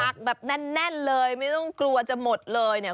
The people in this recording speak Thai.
แบบแน่นเลยไม่ต้องกลัวจะหมดเลยเนี่ย